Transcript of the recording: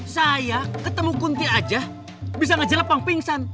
saya ketemu kunti aja bisa ngejel pang pingsan